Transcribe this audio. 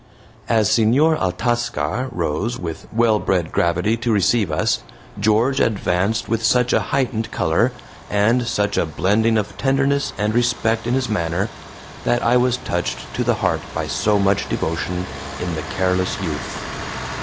As Senor Altascar rose with well bred gravity to receive us, George advanced with such a heightened color, and such a blending of tenderness and respect in his manner, that I was touched to the heart by so much devotion in the careless youth.